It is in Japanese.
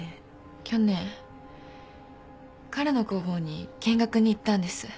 去年彼の工房に見学に行ったんです。